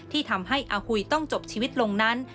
ที่ทำให้อาหุยต้องจบชีวิตลงนั้น